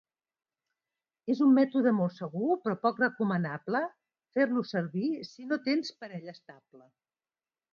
És un mètode molt segur però poc recomanable fer-lo servir si no tens parella estable.